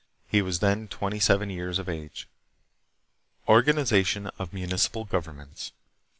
He was then twenty seven years of age. Organization of Municipal Governments.